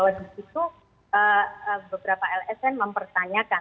di situ beberapa lsm mempertanyakan